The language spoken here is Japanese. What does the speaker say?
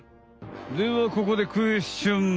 ではここでクエスチョン！